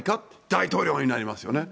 大統領になりますよね。